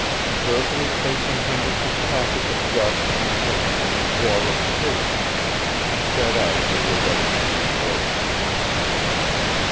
Carefully placing Hendricks' package of dust and lint in a drawer of the table, he set out for the Eleventh street boarding house.